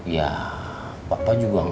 ya papa juga gak tau